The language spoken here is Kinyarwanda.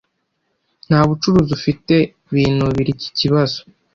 nta bucuruzi ufite binubira iki kibazo